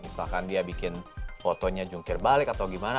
misalkan dia bikin fotonya jungkir balik atau gimana